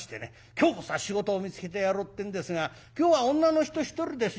今日こそは仕事を見つけてやろうってんですが「今日は女の人１人ですよ。